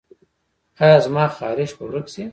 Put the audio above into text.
ایا زما خارښ به ورک شي؟